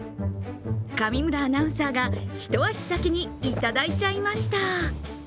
上村アナウンサーが一足先にいただいちゃいました。